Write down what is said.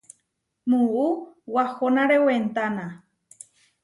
Muú wahonáre wentána.